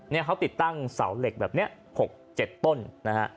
เนี่ยเขาติดตั้งเสาเหล็กแบบนี้๖๗ต้นนะฮะ